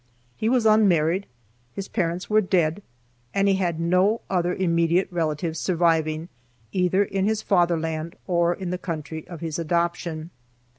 He was unmarried, his parents were dead, and he had no other immediate relatives surviving, either in his fatherland or in the country of his adoption.